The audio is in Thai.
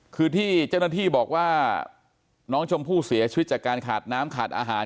คือที่เจ้าหน้าที่บอกว่าน้องชมพู่เสียชีวิตจากการขาดน้ำขาดอาหาร